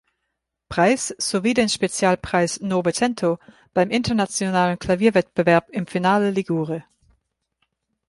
Preis sowie den Spezialpreis „Nove Cento“ beim Internationalen Klavierwettbewerb in Finale Ligure.